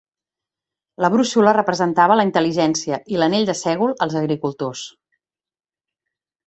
La brúixola representava la intel·ligència i l'anell de sègol els agricultors.